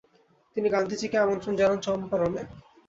তিনি গান্ধিজী কে আমন্ত্রন জানান চম্পারণে।